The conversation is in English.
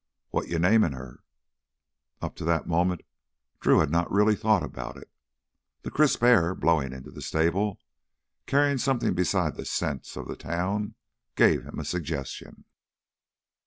"What you namin' her?" Up to that moment Drew had not really thought about it. The crisp air blowing into the stable, carrying something beside the scents of the town, gave him a suggestion.